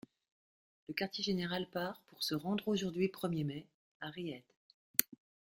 Le quartier-général part pour se rendre aujourd'hui premier mai, à Ried.